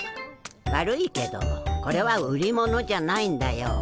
悪いけどこれは売り物じゃないんだよ。